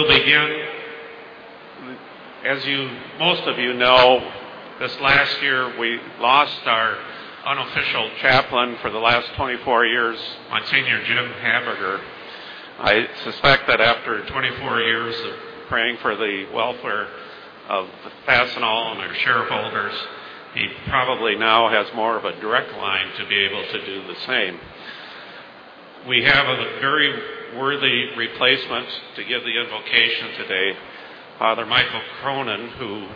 We'll begin. As most of you know, this last year we lost our unofficial chaplain for the last 24 years, Monsignor Jim Habegger. I suspect that after 24 years of praying for the welfare of Fastenal and their shareholders, he probably now has more of a direct line to be able to do the same. We have a very worthy replacement to give the invocation today, Father Michael Cronin, who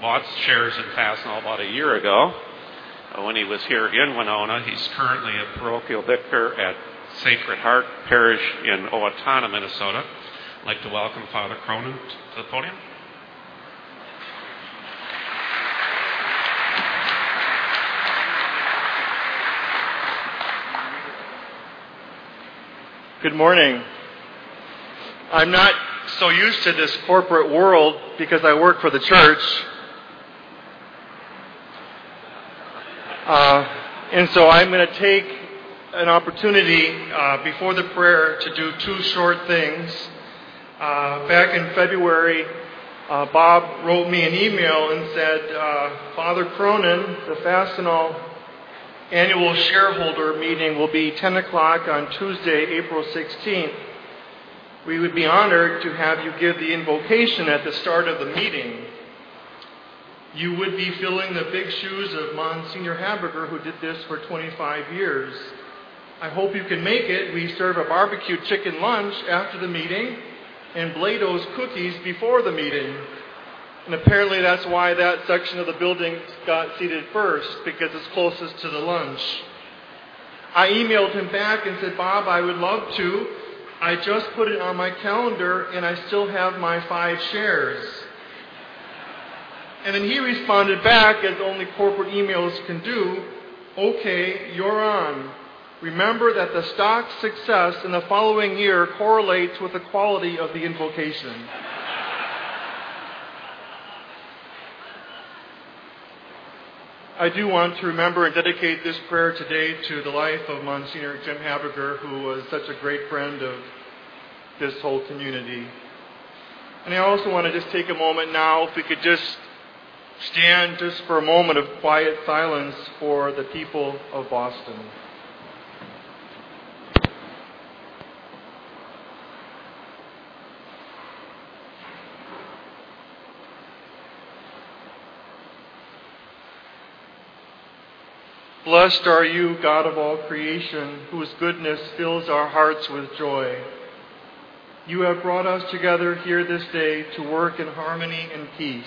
bought shares in Fastenal about a year ago when he was here in Winona. He's currently a parochial vicar at Sacred Heart Parish in Owatonna, Minnesota. I'd like to welcome Father Cronin to the podium. Good morning. I'm not so used to this corporate world because I work for the church. I'm going to take an opportunity before the prayer to do two short things. Back in February, Bob wrote me an email and said, "Father Cronin, the Fastenal annual shareholder meeting will be 10:00 on Tuesday, April 16th. We would be honored to have you give the invocation at the start of the meeting. You would be filling the big shoes of Monsignor Habegger, who did this for 25 years. I hope you can make it. We serve a barbecued chicken lunch after the meeting and Bloedow's cookies before the meeting." Apparently, that's why that section of the building got seated first because it's closest to the lunch. I emailed him back and said, "Bob, I would love to. I just put it on my calendar, and I still have my five shares." He responded back, as only corporate emails can do, "Okay, you're on. Remember that the stock success in the following year correlates with the quality of the invocation." I do want to remember and dedicate this prayer today to the life of Monsignor Jim Habegger, who was such a great friend of this whole community. I also want to just take a moment now, if we could just stand just for a moment of quiet silence for the people of Boston. Blessed are you, God of all creation, whose goodness fills our hearts with joy. You have brought us together here this day to work in harmony and peace.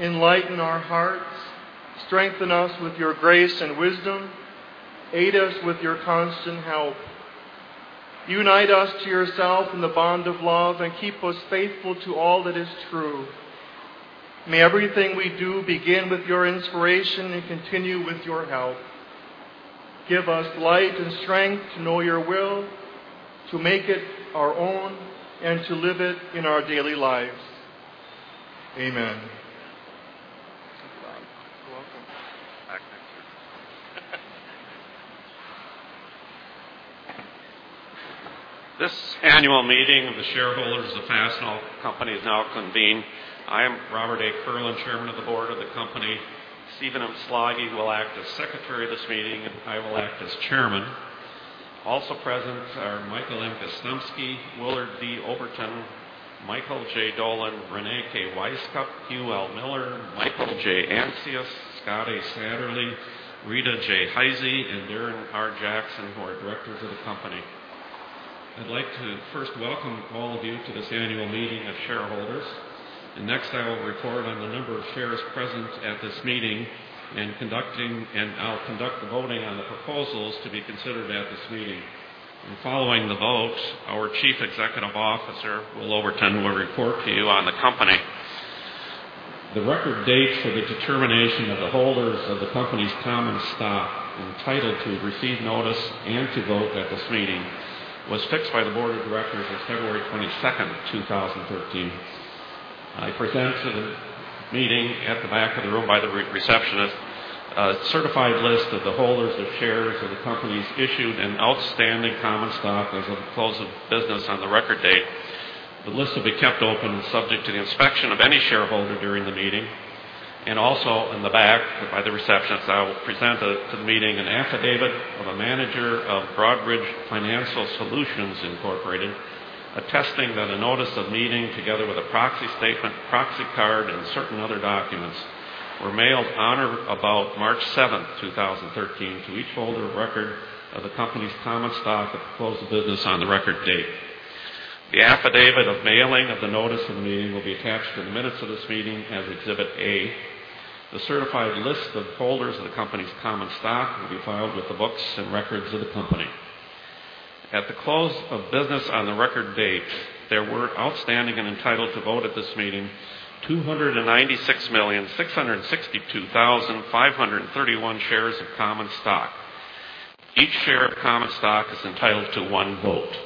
Enlighten our hearts, strengthen us with your grace and wisdom, aid us with your constant help. Unite us to yourself in the bond of love and keep us faithful to all that is true. May everything we do begin with your inspiration and continue with your help. Give us light and strength to know your will, to make it our own, and to live it in our daily lives. Amen. Thank you, Bob. You're welcome. I can see. This annual meeting of the shareholders of Fastenal Company is now convened. I am Robert A. Kierlin, Chairman of the Board of the company. Stephen M. Slaggie will act as secretary of this meeting, I will act as chairman. Also present are Michael M. Gostomski, Willard D. Oberton, Michael J. Dolan, Reyne K. Wisecup, Hugh L. Miller, Michael J. Ancius, Scott A. Satterlee, Rita J. Heise, and Darren R. Jackson, who are directors of the company. I'd like to first welcome all of you to this annual meeting of shareholders. Next, I will report on the number of shares present at this meeting, and I'll conduct the voting on the proposals to be considered at this meeting. Following the vote, our Chief Executive Officer Will Oberton will report to you on the company. The record date for the determination of the holders of the company's common stock entitled to receive notice and to vote at this meeting was fixed by the board of directors as February 22nd, 2013. I present to the meeting at the back of the room by the receptionist a certified list of the holders of shares of the company's issued and outstanding common stock as of the close of business on the record date. The list will be kept open and subject to the inspection of any shareholder during the meeting. In the back by the receptionist, I will present to the meeting an affidavit of a manager of Broadridge Financial Solutions, Inc., attesting that a notice of meeting, together with a proxy statement, proxy card, and certain other documents, were mailed on or about March 7th, 2013, to each holder of record of the company's common stock at the close of business on the record date. The affidavit of mailing of the notice of the meeting will be attached to the minutes of this meeting as Exhibit A. The certified list of holders of the company's common stock will be filed with the books and records of the company. At the close of business on the record date, there were outstanding and entitled to vote at this meeting 296,662,531 shares of common stock. Each share of common stock is entitled to one vote.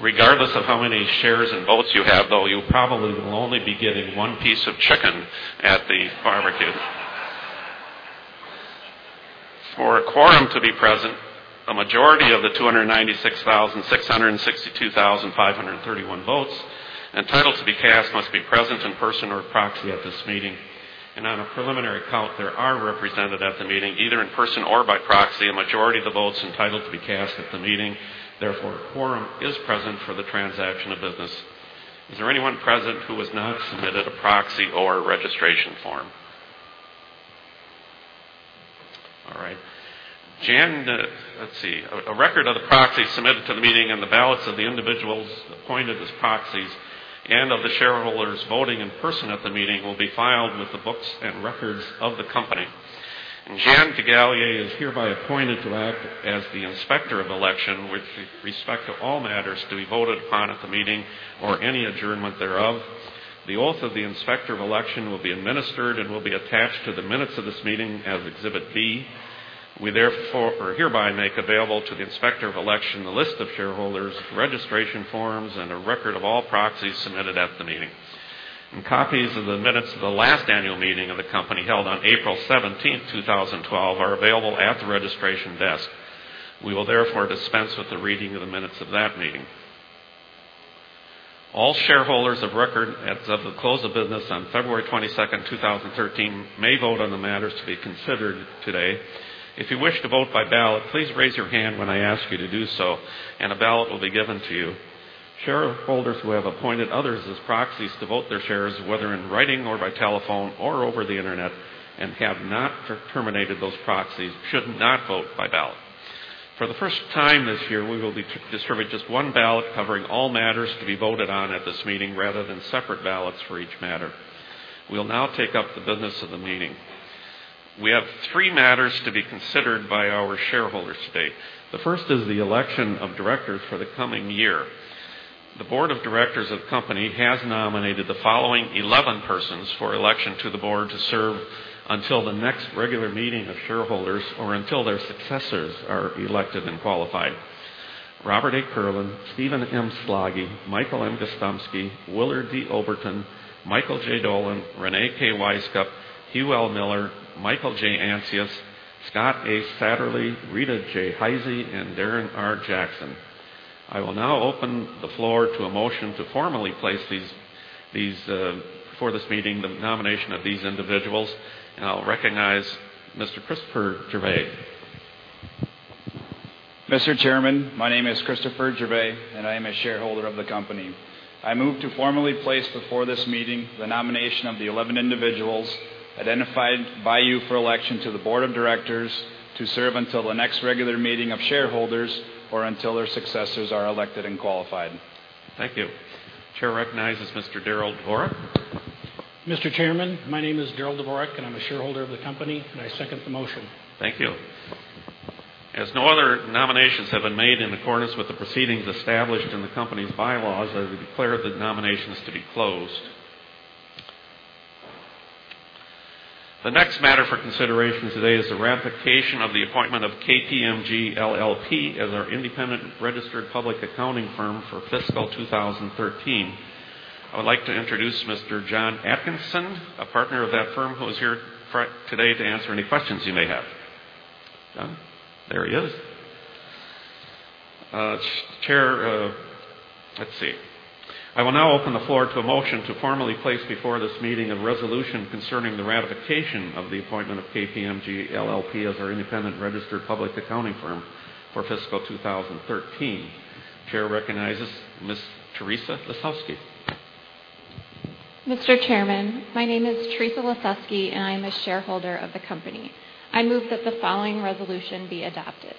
Regardless of how many shares and votes you have, though, you probably will only be getting one piece of chicken at the barbecue. For a quorum to be present, a majority of the 296,662,531 votes entitled to be cast must be present in person or proxy at this meeting. On a preliminary count, there are represented at the meeting, either in person or by proxy, a majority of the votes entitled to be cast at the meeting. Therefore, a quorum is present for the transaction of business. Is there anyone present who has not submitted a proxy or registration form? All right. Let's see. A record of the proxies submitted to the meeting and the ballots of the individuals appointed as proxies and of the shareholders voting in person at the meeting will be filed with the books and records of the company. Jan Degallier is hereby appointed to act as the Inspector of Election with respect to all matters to be voted upon at the meeting or any adjournment thereof. The oath of the Inspector of Election will be administered and will be attached to the minutes of this meeting as Exhibit B. We hereby make available to the Inspector of Election the list of shareholders, registration forms, and a record of all proxies submitted at the meeting. Copies of the minutes of the last annual meeting of the company held on April 17th, 2012, are available at the registration desk. We will therefore dispense with the reading of the minutes of that meeting. All shareholders of record as of the close of business on February 22nd, 2013, may vote on the matters to be considered today. If you wish to vote by ballot, please raise your hand when I ask you to do so, and a ballot will be given to you. Shareholders who have appointed others as proxies to vote their shares, whether in writing or by telephone or over the internet, and have not terminated those proxies should not vote by ballot. For the first time this year, we will be distributing just one ballot covering all matters to be voted on at this meeting, rather than separate ballots for each matter. We will now take up the business of the meeting. We have three matters to be considered by our shareholders today. The first is the election of directors for the coming year. The board of directors of the company has nominated the following 11 persons for election to the board to serve until the next regular meeting of shareholders or until their successors are elected and qualified: Robert A. Kierlin, Stephen M. Slaggie, Michael M. Gostomski, Willard D. Oberton, Michael J. Dolan, Reyne K. Wisecup, Hugh L. Miller, Michael J. Ancius, Scott A. Satterlee, Rita J. Heise, and Darren R. Jackson. I will now open the floor to a motion to formally place before this meeting the nomination of these individuals. I'll recognize Mr. Christopher Gervais. Mr. Chairman, my name is Christopher Gervais. I am a shareholder of the company. I move to formally place before this meeting the nomination of the 11 individuals identified by you for election to the board of directors to serve until the next regular meeting of shareholders or until their successors are elected and qualified. Thank you. Chair recognizes Mr. Darryl Dvorak. Mr. Chairman, my name is Darryl Dvorak. I'm a shareholder of the company. I second the motion. Thank you. As no other nominations have been made in accordance with the proceedings established in the company's bylaws, I declare the nominations to be closed. The next matter for consideration today is the ratification of the appointment of KPMG LLP as our independent registered public accounting firm for fiscal 2013. I would like to introduce Mr. John Atkinson, a partner of that firm, who is here today to answer any questions you may have. John? There he is. Let's see. I will now open the floor to a motion to formally place before this meeting a resolution concerning the ratification of the appointment of KPMG LLP as our independent registered public accounting firm for fiscal 2013. Chair recognizes Ms. Sheryl A. Lisowski. Mr. Chairman, my name is Sheryl A. Lisowski, and I am a shareholder of the company. I move that the following resolution be adopted.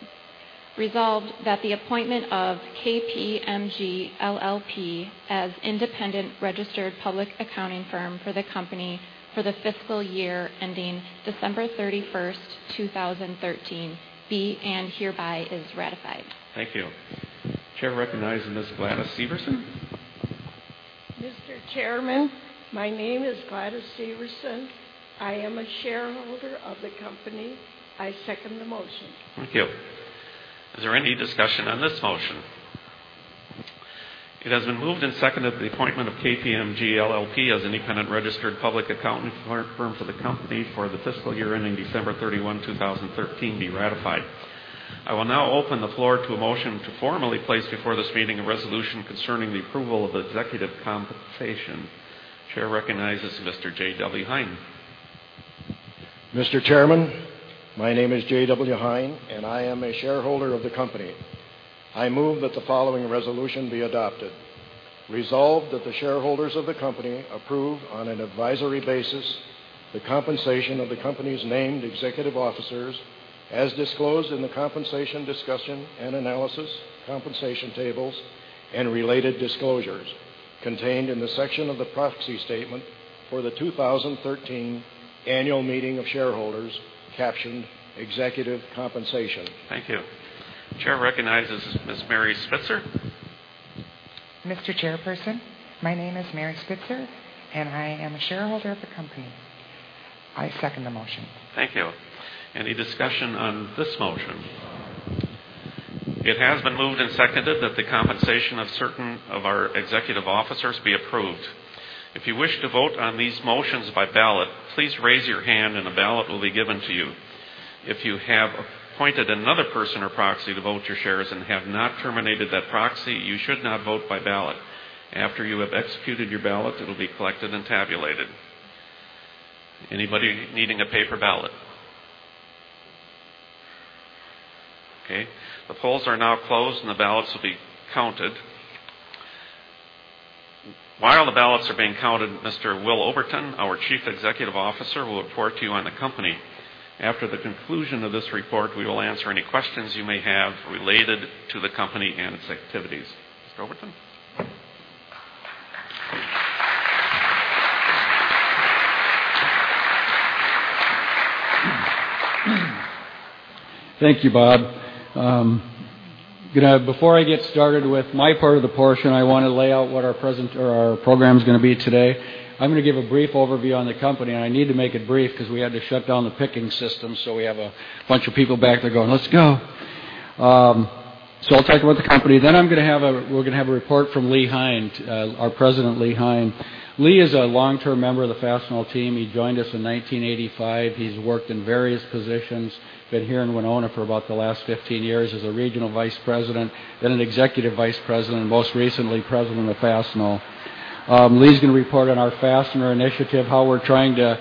Resolved that the appointment of KPMG LLP as independent registered public accounting firm for the company for the fiscal year ending December 31st, 2013, be and hereby is ratified. Thank you. Chair recognizes Ms. Gladys Severson. Mr. Chairman, my name is Gladys Severson. I am a shareholder of the company. I second the motion. Thank you. Is there any discussion on this motion? It has been moved and seconded that the appointment of KPMG LLP as independent registered public accounting firm for the company for the fiscal year ending December 31, 2013, be ratified. I will now open the floor to a motion to formally place before this meeting a resolution concerning the approval of executive compensation. Chair recognizes Mr. J.W. Hein. Mr. Chairman, my name is J.W. Hein, and I am a shareholder of the company. I move that the following resolution be adopted: Resolved that the shareholders of the company approve on an advisory basis the compensation of the company's named executive officers as disclosed in the compensation discussion and analysis, compensation tables, and related disclosures contained in the section of the proxy statement for the 2013 annual meeting of shareholders captioned Executive Compensation. Thank you. Chair recognizes Ms. Mary Spitzer. Mr. Chairperson, my name is Mary Spitzer, and I am a shareholder of the company. I second the motion. Thank you. Any discussion on this motion? It has been moved and seconded that the compensation of certain of our executive officers be approved. If you wish to vote on these motions by ballot, please raise your hand and a ballot will be given to you. If you have appointed another person or proxy to vote your shares and have not terminated that proxy, you should not vote by ballot. After you have executed your ballot, it'll be collected and tabulated. Anybody needing a paper ballot? Okay. The polls are now closed. The ballots will be counted. While the ballots are being counted, Mr. Willard D. Oberton, our Chief Executive Officer, will report to you on the company. After the conclusion of this report, we will answer any questions you may have related to the company and its activities. Mr. Oberton? Thank you, Bob. Before I get started with my part of the portion, I want to lay out what our program's going to be today. I'm going to give a brief overview on the company. I need to make it brief because we had to shut down the picking system, so we have a bunch of people back there going, "Let's go." I'll talk about the company. We're going to have a report from Leland J. Hein, our President Leland J. Hein. Leland is a long-term member of the Fastenal team. He joined us in 1985. He's worked in various positions, been here in Winona for about the last 15 years as a Regional Vice President, then an Executive Vice President, and most recently, President of Fastenal. Leland's going to report on our fastener initiative, how we're trying to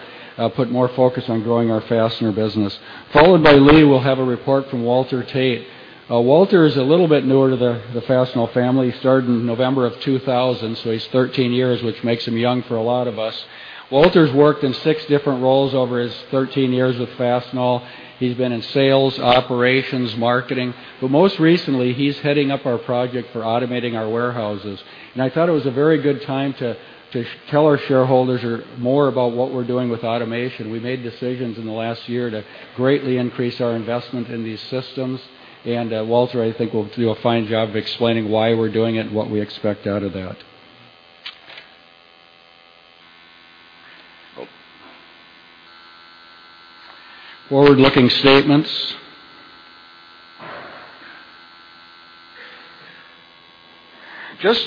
put more focus on growing our fastener business. Followed by Leland, we'll have a report from Walter Tate. Walter is a little bit newer to the Fastenal family. He started in November of 2000, so he's 13 years, which makes him young for a lot of us. Walter's worked in six different roles over his 13 years with Fastenal. He's been in sales, operations, marketing, but most recently, he's heading up our project for automating our warehouses. I thought it was a very good time to tell our shareholders more about what we're doing with automation. We made decisions in the last year to greatly increase our investment in these systems. Walter, I think, will do a fine job of explaining why we're doing it and what we expect out of that. Forward-looking statements. Just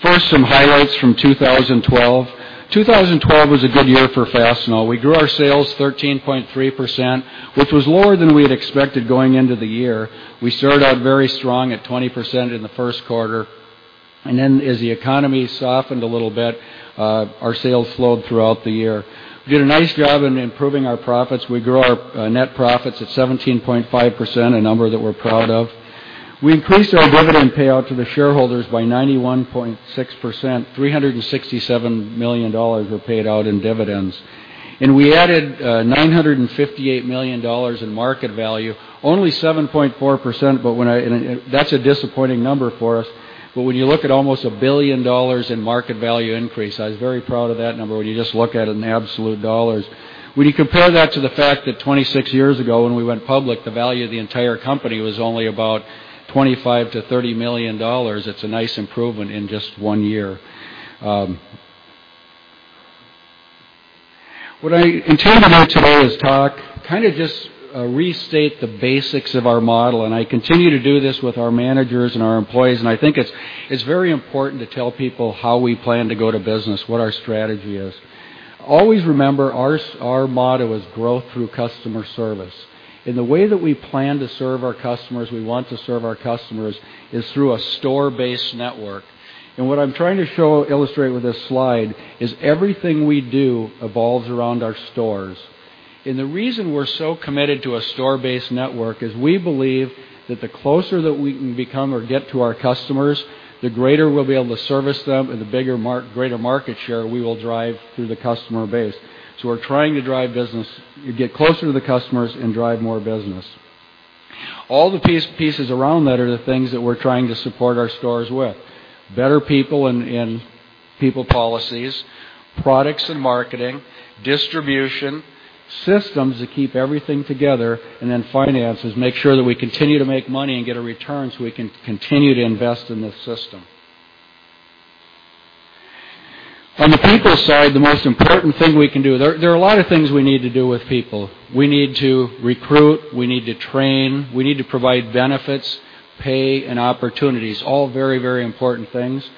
first, some highlights from 2012. 2012 was a good year for Fastenal. We grew our sales 13.3%, which was lower than we had expected going into the year. We started out very strong at 20% in the first quarter. As the economy softened a little bit, our sales slowed throughout the year. We did a nice job in improving our profits. We grew our net profits at 17.5%, a number that we're proud of. We increased our dividend payout to the shareholders by 91.6%. $367 million were paid out in dividends. We added $958 million in market value. Only 7.4%, that's a disappointing number for us. When you look at almost $1 billion in market value increase, I was very proud of that number when you just look at it in absolute dollars. When you compare that to the fact that 26 years ago, when we went public, the value of the entire company was only about $25 million-$30 million, it's a nice improvement in just one year. What I intend to do today is talk, kind of just restate the basics of our model, and I continue to do this with our managers and our employees, and I think it's very important to tell people how we plan to go to business, what our strategy is. Always remember, our motto is growth through customer service. The way that we plan to serve our customers, we want to serve our customers, is through a store-based network. What I'm trying to illustrate with this slide is everything we do evolves around our stores. The reason we're so committed to a store-based network is we believe that the closer that we can become or get to our customers, the greater we'll be able to service them and the greater market share we will drive through the customer base. We're trying to get closer to the customers and drive more business. All the pieces around that are the things that we're trying to support our stores with. Better people and people policies, products and marketing, distribution, systems to keep everything together, and then finances, make sure that we continue to make money and get a return so we can continue to invest in this system. On the people side, the most important thing we can do. There are a lot of things we need to do with people. We need to recruit, we need to train, we need to provide benefits, pay, and opportunities, all very, very important things.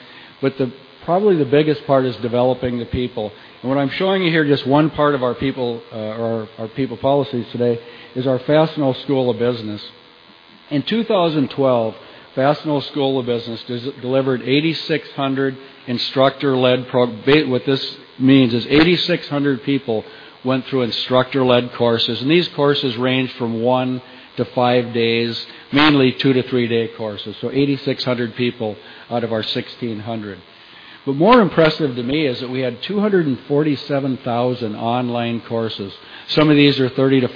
Probably the biggest part is developing the people. What I'm showing you here, just one part of our people policies today, is our Fastenal School of Business. In 2012, Fastenal School of Business delivered 8,600 instructor-led. What this means is 8,600 people went through instructor-led courses, and these courses range from one to five days, mainly two- to three-day courses. 8,600 people out of our 16,000. More impressive to me is that we had 247,000 online courses. Some of these are 30 to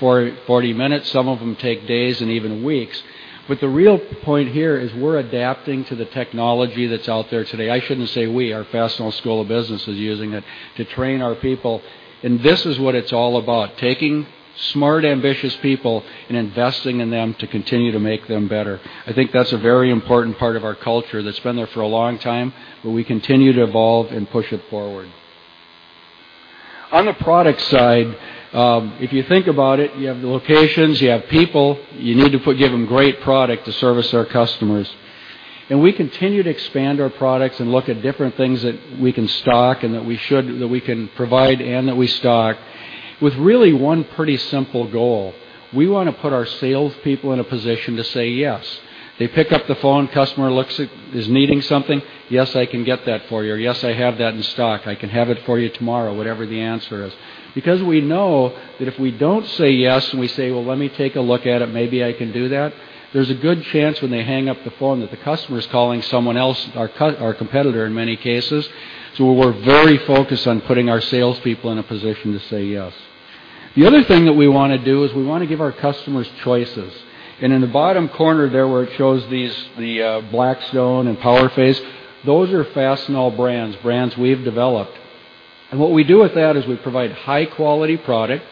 40 minutes. Some of them take days and even weeks. The real point here is we're adapting to the technology that's out there today. I shouldn't say we. Our Fastenal School of Business is using it to train our people. This is what it's all about, taking smart, ambitious people and investing in them to continue to make them better. I think that's a very important part of our culture that's been there for a long time. We continue to evolve and push it forward. On the product side, if you think about it, you have the locations, you have people, you need to give them great product to service our customers. We continue to expand our products and look at different things that we can stock and that we can provide and that we stock with really one pretty simple goal. We want to put our salespeople in a position to say, "Yes." They pick up the phone, customer is needing something, "Yes, I can get that for you," or, "Yes, I have that in stock. I can have it for you tomorrow," whatever the answer is. We know that if we don't say yes, and we say, "Well, let me take a look at it, maybe I can do that," there's a good chance when they hang up the phone that the customer's calling someone else, our competitor in many cases. We're very focused on putting our salespeople in a position to say yes. The other thing that we want to do is we want to give our customers choices. In the bottom corner there, where it shows the Blackstone and PowerPhase, those are Fastenal brands we've developed. What we do with that is we provide high-quality product,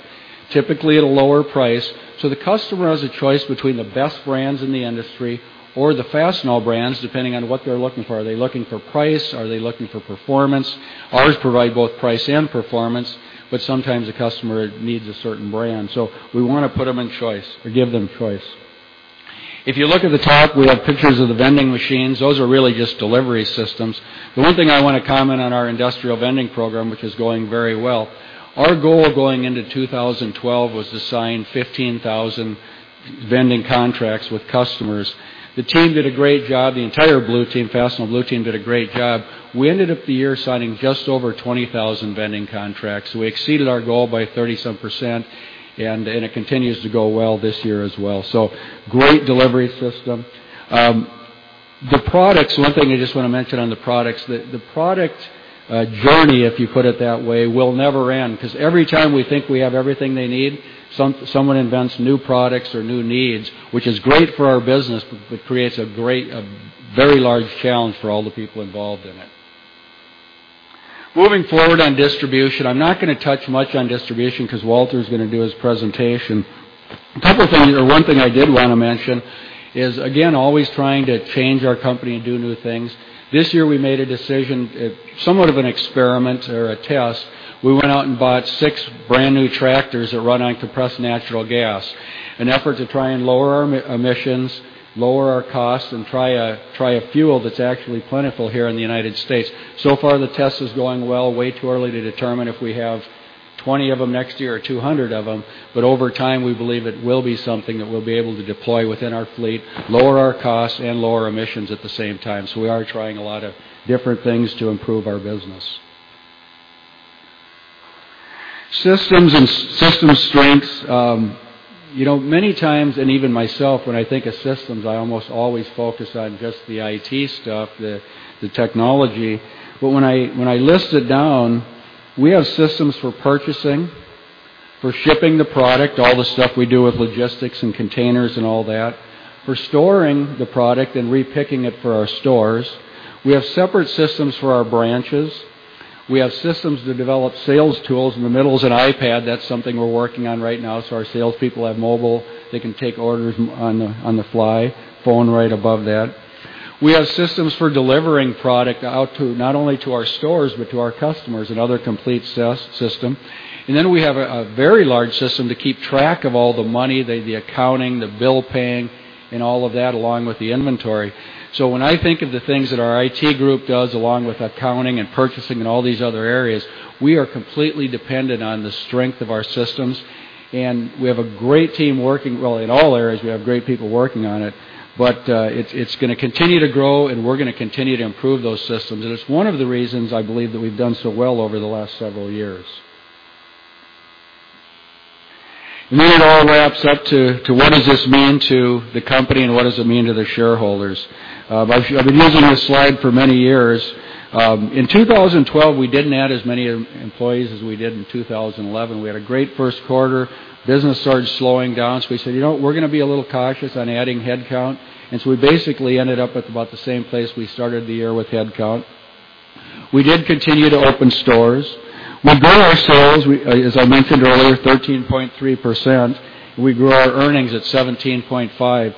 typically at a lower price. The customer has a choice between the best brands in the industry or the Fastenal brands, depending on what they're looking for. Are they looking for price? Are they looking for performance? Ours provide both price and performance, but sometimes a customer needs a certain brand, so we want to put them in choice or give them choice. If you look at the top, we have pictures of the vending machines. Those are really just delivery systems. The one thing I want to comment on our industrial vending program, which is going very well, our goal going into 2012 was to sign 15,000 vending contracts with customers. The team did a great job. The entire Fastenal Blue team did a great job. We ended up the year signing just over 20,000 vending contracts. We exceeded our goal by 30-some%, and it continues to go well this year as well. Great delivery system. One thing I just want to mention on the products, the product journey, if you put it that way, will never end. Every time we think we have everything they need, someone invents new products or new needs, which is great for our business, but creates a very large challenge for all the people involved in it. Moving forward on distribution, I'm not going to touch much on distribution Walter's going to do his presentation. One thing I did want to mention is, again, always trying to change our company and do new things. This year, we made a decision, somewhat of an experiment or a test. We went out and bought six brand-new tractors that run on compressed natural gas. An effort to try and lower our emissions, lower our costs, and try a fuel that's actually plentiful here in the U.S. Far, the test is going well. Way too early to determine if we have 20 of them next year or 200 of them. Over time, we believe it will be something that we'll be able to deploy within our fleet, lower our costs, and lower emissions at the same time. We are trying a lot of different things to improve our business. Systems and system strengths. Many times, and even myself, when I think of systems, I almost always focus on just the IT stuff, the technology. When I list it down, we have systems for purchasing, for shipping the product, all the stuff we do with logistics and containers and all that, for storing the product and repicking it for our stores. We have separate systems for our branches. We have systems to develop sales tools. In the middle is an iPad. That's something we're working on right now so our salespeople have mobile. They can take orders on the fly. Phone right above that. We have systems for delivering product out not only to our stores but to our customers, another complete system. We have a very large system to keep track of all the money, the accounting, the bill paying, and all of that, along with the inventory. When I think of the things that our IT group does, along with accounting and purchasing and all these other areas, we are completely dependent on the strength of our systems. We have a great team working well in all areas. We have great people working on it. It's going to continue to grow, and we're going to continue to improve those systems. It's one of the reasons I believe that we've done so well over the last several years. It all wraps up to what does this mean to the company, and what does it mean to the shareholders? I've been using this slide for many years. In 2012, we didn't add as many employees as we did in 2011. We had a great first quarter. Business started slowing down, so we said, "We're going to be a little cautious on adding headcount." We basically ended up at about the same place we started the year with headcount. We did continue to open stores. We grew our sales, as I mentioned earlier, 13.3%, and we grew our earnings at 17.5%.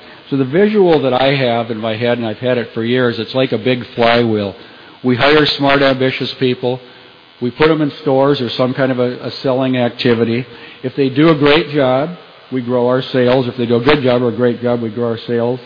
We hire smart, ambitious people. We put them in stores or some kind of a selling activity. If they do a great job, we grow our sales. If they do a good job or a great job, we grow our sales.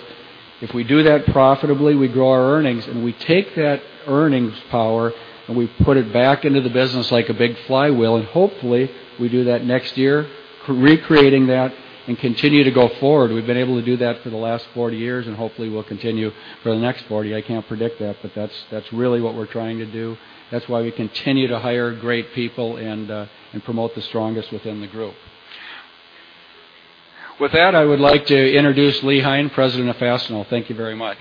If we do that profitably, we grow our earnings, and we take that earnings power, and we put it back into the business like a big flywheel. Hopefully, we do that next year, recreating that, and continue to go forward. We've been able to do that for the last 40 years, and hopefully, we'll continue for the next 40. I can't predict that, but that's really what we're trying to do. That's why we continue to hire great people and promote the strongest within the group. With that, I would like to introduce Lee Hein, President of Fastenal. Thank you very much.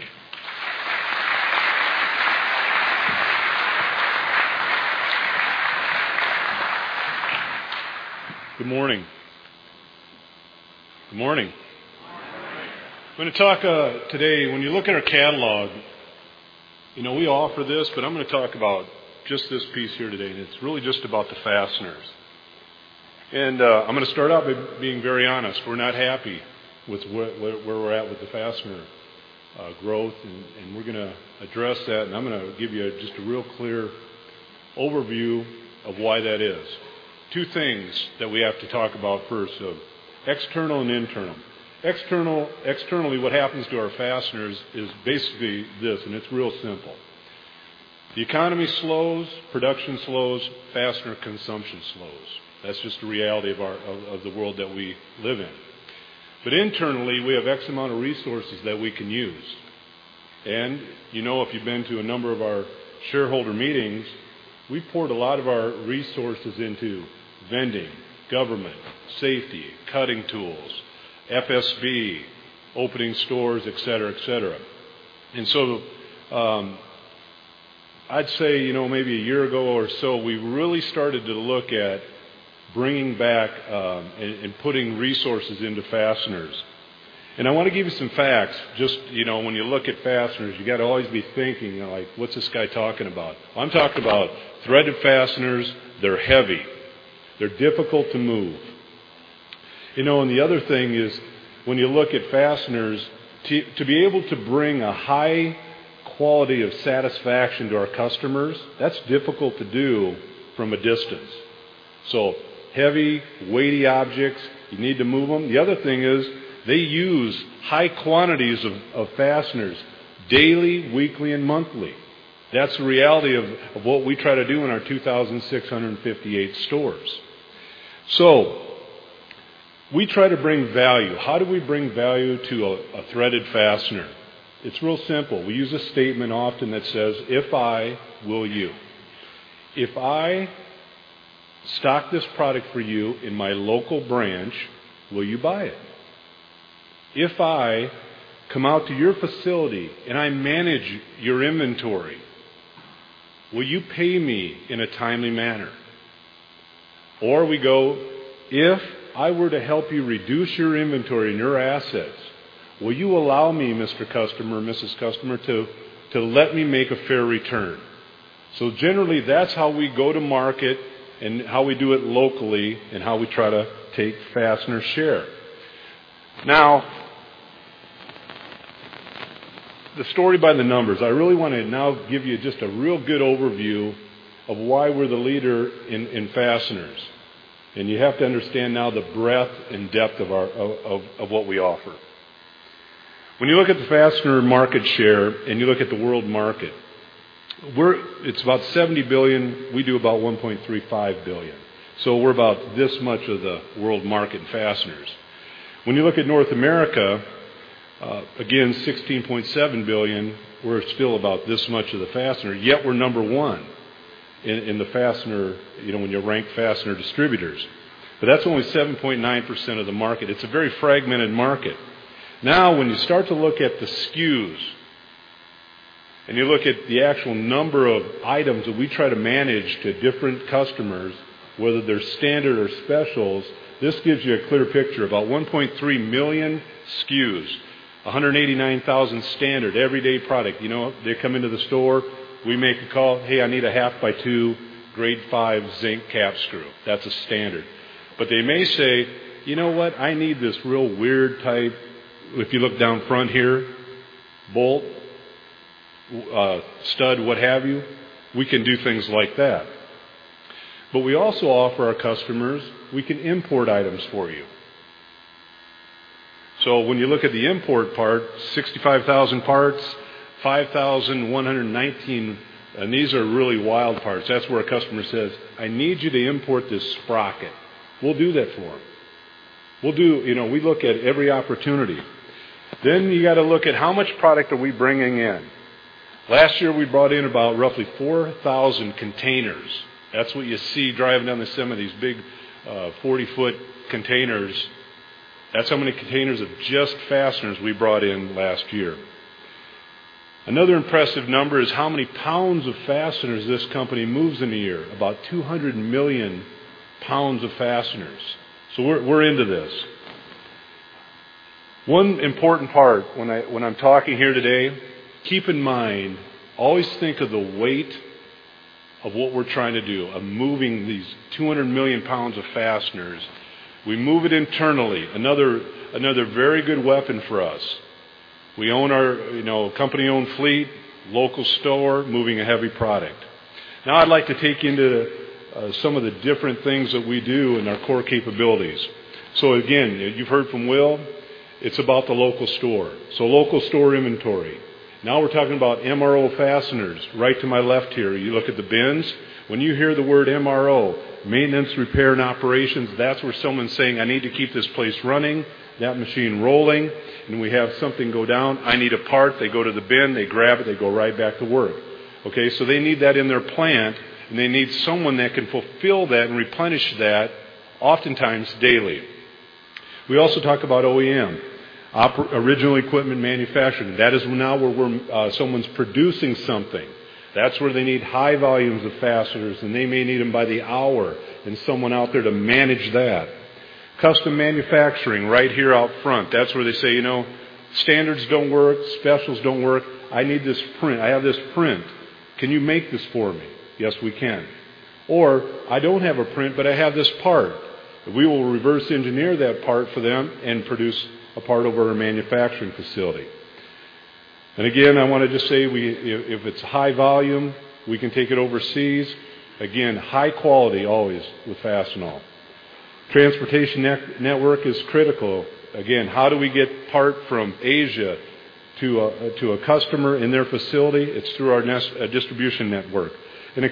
Good morning. Good morning. Good morning. I'm going to talk today, when you look at our catalog, we offer this, but I'm going to talk about just this piece here today, and it's really just about the fasteners. I'm going to start out by being very honest. We're not happy with where we're at with the fastener growth, and we're going to address that, and I'm going to give you just a real clear overview of why that is. Two things that we have to talk about first, external and internal. Externally, what happens to our fasteners is basically this, and it's real simple. The economy slows, production slows, fastener consumption slows. That's just the reality of the world that we live in. Internally, we have X amount of resources that we can use, and you know if you've been to a number of our shareholder meetings, we've poured a lot of our resources into vending, government, safety, cutting tools, FSB, opening stores, et cetera. I'd say maybe a year ago or so, we really started to look at bringing back and putting resources into fasteners. I want to give you some facts. Just when you look at fasteners, you got to always be thinking, like, "What's this guy talking about?" I'm talking about threaded fasteners. They're heavy. They're difficult to move. The other thing is, when you look at fasteners, to be able to bring a high quality of satisfaction to our customers, that's difficult to do from a distance. Heavy, weighty objects, you need to move them. The other thing is they use high quantities of fasteners daily, weekly, and monthly. That's the reality of what we try to do in our 2,658 stores. We try to bring value. How do we bring value to a threaded fastener? It's real simple. We use a statement often that says, "If I, will you?" If I stock this product for you in my local branch, will you buy it? If I come out to your facility and I manage your inventory, will you pay me in a timely manner? We go, if I were to help you reduce your inventory and your assets, will you allow me, Mr. Customer, Mrs. Customer, to let me make a fair return? Generally, that's how we go to market, and how we do it locally, and how we try to take fastener share. Now, the story by the numbers. I really want to now give you just a real good overview of why we're the leader in fasteners, and you have to understand now the breadth and depth of what we offer. When you look at the fastener market share, and you look at the world market, it's about $70 billion. We do about $1.35 billion. We're about this much of the world market in fasteners. When you look at North America, again, $16.7 billion, we're still about this much of the fastener, yet we're number 1 when you rank fastener distributors. That's only 7.9% of the market. It's a very fragmented market. When you start to look at the SKUs, and you look at the actual number of items that we try to manage to different customers, whether they're standard or specials, this gives you a clear picture. About 1.3 million SKUs, 189,000 standard everyday product. They come into the store. We make a call, "Hey, I need a half by two grade 5 zinc cap screw." That's a standard. They may say, "You know what? I need this real weird type," if you look down front here, bolt, stud, what have you. We can do things like that. We also offer our customers, we can import items for you. When you look at the import part, 65,000 parts, 5,119, and these are really wild parts. That's where a customer says, "I need you to import this sprocket." We'll do that for them. We look at every opportunity. You got to look at how much product are we bringing in. Last year, we brought in about roughly 4,000 containers. That's what you see driving down the semi, these big 40-foot containers. That's how many containers of just fasteners we brought in last year. Another impressive number is how many pounds of fasteners this company moves in a year, about 200 million pounds of fasteners. We're into this. One important part when I'm talking here today, keep in mind, always think of the weight of what we're trying to do, of moving these 200 million pounds of fasteners. We move it internally, another very good weapon for us. We own our company-owned fleet, local store, moving a heavy product. I'd like to take you into some of the different things that we do in our core capabilities. Again, you've heard from Will, it's about the local store. Local store inventory. We're talking about MRO fasteners, right to my left here. You look at the bins. When you hear the word MRO, maintenance, repair, and operations, that's where someone's saying, "I need to keep this place running, that machine rolling," and we have something go down, "I need a part." They go to the bin, they grab it, they go right back to work. Okay. They need that in their plant, and they need someone that can fulfill that and replenish that oftentimes daily. We also talk about OEM, original equipment manufacturing. That is now where someone's producing something. That's where they need high volumes of fasteners, and they may need them by the hour, and someone out there to manage that. Custom manufacturing right here out front. That's where they say, "Standards don't work, specials don't work. I need this print. I have this print. Can you make this for me?" Yes, we can. I don't have a print, but I have this part." We will reverse engineer that part for them and produce a part over at our manufacturing facility. Again, I want to just say, if it's high volume, we can take it overseas. Again, high quality always with Fastenal. Transportation network is critical. Again, how do we get a part from Asia to a customer in their facility? It's through our distribution network. Then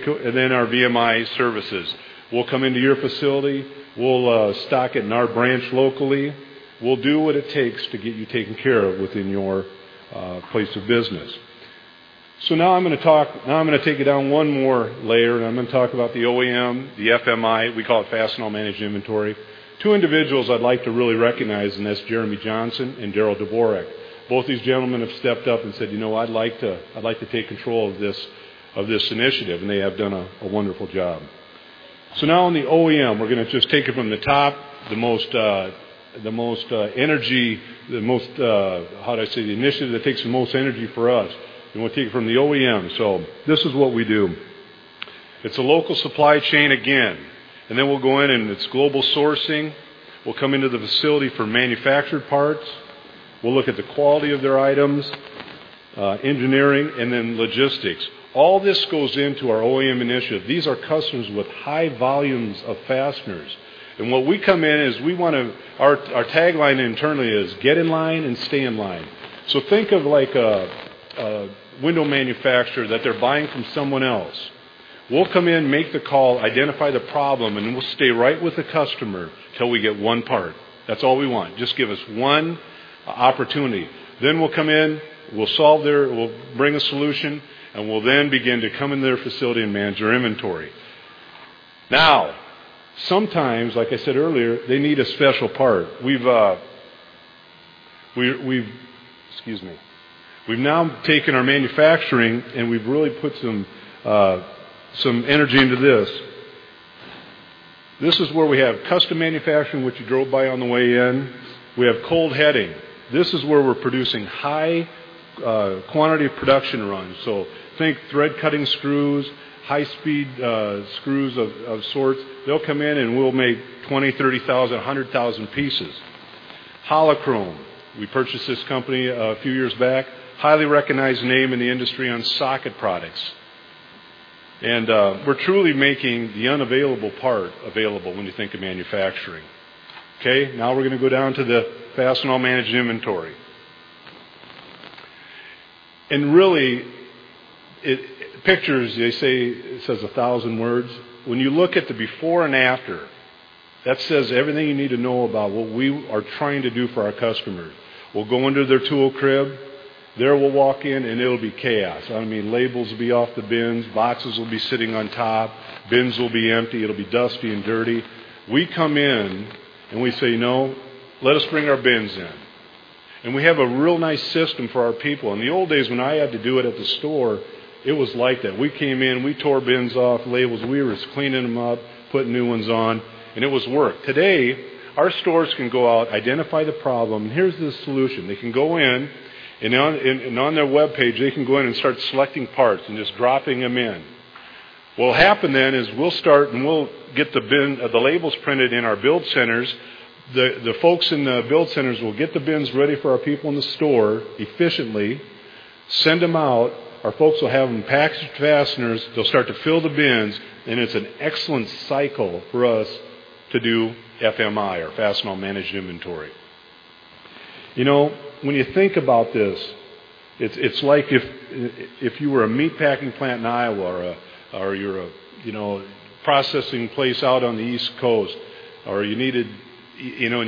our VMI services. We'll come into your facility, we'll stock it in our branch locally. We'll do what it takes to get you taken care of within your place of business. Now I'm going to take you down one more layer, and I'm going to talk about the OEM, the FMI. We call it Fastenal Managed Inventory. Two individuals I'd like to really recognize, and that's Jeremy Johnson and Darryl Dvorak. Both these gentlemen have stepped up and said, "I'd like to take control of this initiative," and they have done a wonderful job. Now on the OEM, we're going to just take it from the top, the most energy, how do I say, the initiative that takes the most energy for us, and we'll take it from the OEM. This is what we do. It's a local supply chain again. Then we'll go in and it's global sourcing. We'll come into the facility for manufactured parts. We'll look at the quality of their items, engineering, and then logistics. All this goes into our OEM initiative. These are customers with high volumes of fasteners. What we come in is, our tagline internally is get in line and stay in line. Think of a window manufacturer that they're buying from someone else. We'll come in, make the call, identify the problem, then we'll stay right with the customer till we get one part. That's all we want. Just give us one opportunity. Then we'll come in, we'll bring a solution, and we'll then begin to come in their facility and manage their inventory. Sometimes, like I said earlier, they need a special part. Excuse me. We've now taken our manufacturing, and we've really put some energy into this. This is where we have custom manufacturing, which you drove by on the way in. We have cold heading. This is where we're producing high quantity production runs. Think thread cutting screws, high speed screws of sorts. They'll come in, and we'll make 20,000, 30,000, 100,000 pieces. Holo-Krome, we purchased this company a few years back, highly recognized name in the industry on socket products. We're truly making the unavailable part available when you think of manufacturing. Now we're going to go down to the Fastenal Managed Inventory. Really, pictures, they say, says a thousand words. When you look at the before and after, that says everything you need to know about what we are trying to do for our customers. We'll go into their tool crib. There we'll walk in, and it'll be chaos. Labels will be off the bins, boxes will be sitting on top, bins will be empty. It'll be dusty and dirty. We come in, and we say, "No, let us bring our bins in." We have a real nice system for our people. In the old days when I had to do it at the store, it was like that. We came in, we tore bins off, labels. We were just cleaning them up, putting new ones on, and it was work. Today, our stores can go out, identify the problem. Here's the solution. They can go in, and on their webpage, they can go in and start selecting parts and just dropping them in. What'll happen then is we'll start, and we'll get the labels printed in our build centers. The folks in the build centers will get the bins ready for our people in the store efficiently, send them out. Our folks will have them package the fasteners. They'll start to fill the bins, and it's an excellent cycle for us to do FMI or Fastenal Managed Inventory. When you think about this, it's like if you were a meat packing plant in Iowa or you're a processing place out on the East Coast, and you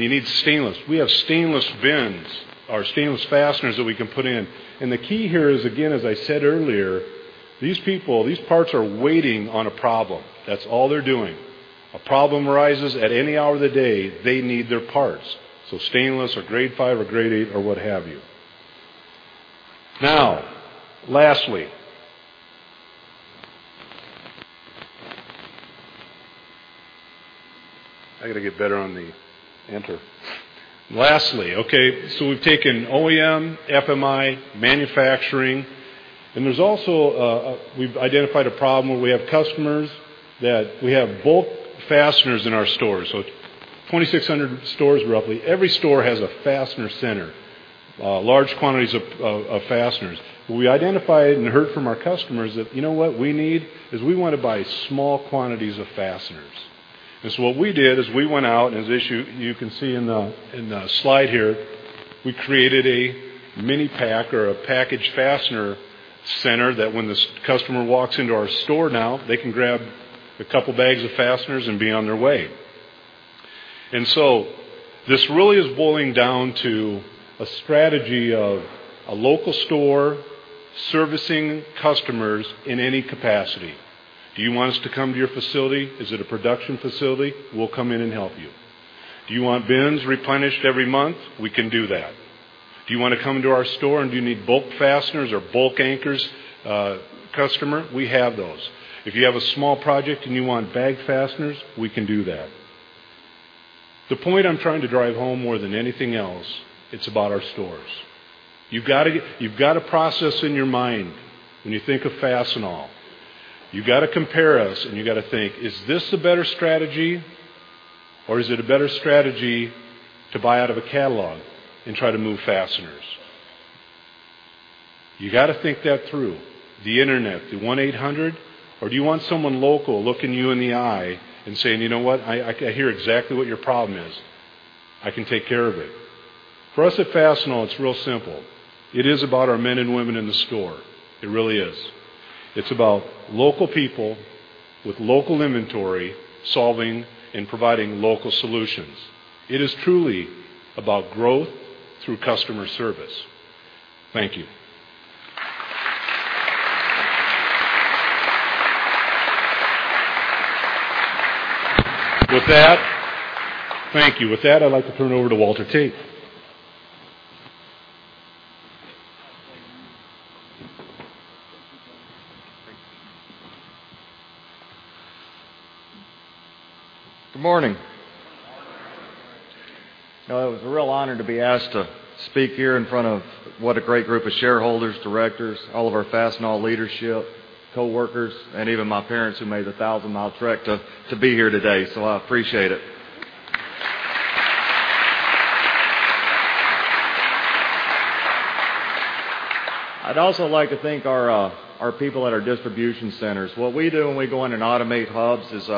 need stainless. We have stainless bins or stainless fasteners that we can put in. The key here is, again, as I said earlier, these parts are waiting on a problem. That's all they're doing. A problem arises at any hour of the day, they need their parts. Stainless or Grade 5 or Grade 8 or what have you. We've taken OEM, FMI, manufacturing, and we've identified a problem where we have customers that we have bulk fasteners in our stores. 2,600 stores, roughly. Every store has a fastener center, large quantities of fasteners. We identified and heard from our customers that you know what we need is we want to buy small quantities of fasteners. What we did is we went out, and as you can see in the slide here, we created a mini pack or a packaged fastener center that when the customer walks into our store now, they can grab a couple bags of fasteners and be on their way. This really is boiling down to a strategy of a local store servicing customers in any capacity. Do you want us to come to your facility? Is it a production facility? We'll come in and help you. Do you want bins replenished every month? We can do that. Do you want to come into our store and do you need bulk fasteners or bulk anchors, customer? We have those. If you have a small project and you want bagged fasteners, we can do that. The point I'm trying to drive home more than anything else, it's about our stores. You've got to process in your mind when you think of Fastenal, you've got to compare us and you've got to think, is this a better strategy or is it a better strategy to buy out of a catalog and try to move fasteners? You got to think that through. The internet, the 1-800, or do you want someone local looking you in the eye and saying, "You know what? I hear exactly what your problem is. I can take care of it." For us at Fastenal, it's real simple. It is about our men and women in the store. It really is. It's about local people with local inventory solving and providing local solutions. It is truly about growth through customer service. Thank you. Thank you. With that, I'd like to turn it over to Walter Tate. Good morning. Good morning. It was a real honor to be asked to speak here in front of what a great group of shareholders, directors, all of our Fastenal leadership, coworkers, and even my parents who made the 1,000-mile trek to be here today. I appreciate it. I'd also like to thank our people at our distribution centers. What we do when we go in and automate hubs is